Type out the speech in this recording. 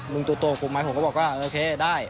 มึงตัวตัวผมก็บอกว่าโอเคได้